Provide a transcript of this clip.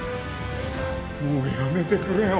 もうやめてくれよ。